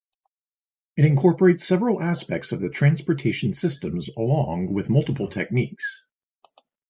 It incorporates several aspects of the transportation systems along with multiple techniques.